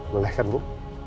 boleh kan bu